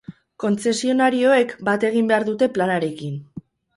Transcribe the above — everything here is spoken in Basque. Kontzesionarioek bat egin behar dute planarekin.